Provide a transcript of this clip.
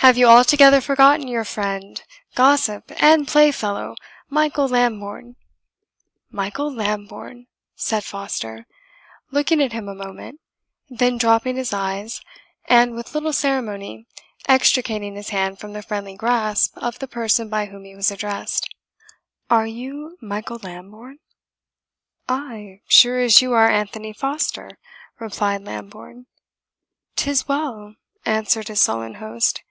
have you altogether forgotten your friend, gossip, and playfellow, Michael Lambourne?" "Michael Lambourne!" said Foster, looking at him a moment; then dropping his eyes, and with little ceremony extricating his hand from the friendly grasp of the person by whom he was addressed, "are you Michael Lambourne?" "Ay; sure as you are Anthony Foster," replied Lambourne. "'Tis well," answered his sullen host.